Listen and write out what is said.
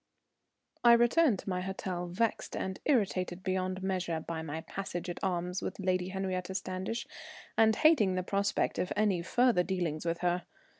I returned to my hotel vexed and irritated beyond measure by my passage at arms with Lady Henriette Standish, and hating the prospect of any further dealings with her.